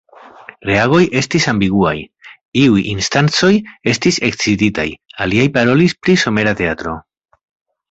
Reagoj estis ambiguaj; iuj instancoj estis ekscititaj, aliaj parolis pri somera teatro.